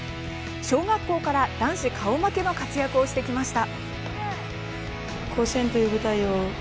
小学校から男子顔負けの活躍をしてきました。